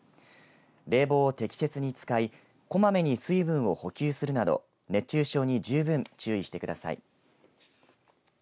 冷房を適切に使いこまめに水分を補給するなど熱中症に十分注意してください。